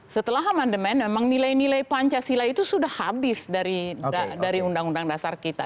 setelah amandemen memang nilai nilai pancasila itu sudah habis dari undang undang dasar kita